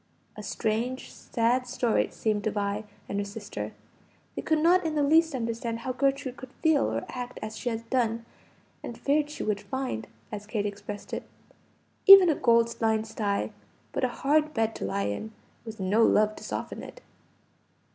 A strange, sad story it seemed to Vi and her sister. They could not in the least understand how Gertrude could feel or act as she had done, and feared she would find, as Kate expressed it, "even a gold lined sty, but a hard bed to lie in, with no love to soften it."